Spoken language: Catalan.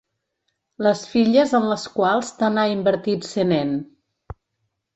Les filles en les quals tant ha invertit Senén.